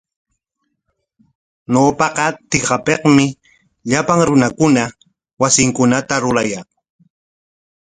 Ñawpaqa tikapikmi llapan runakuna wasinkunata rurayaq.